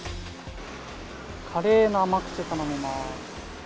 カレーの甘口を頼みます。